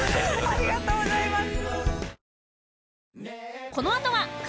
ありがとうございます。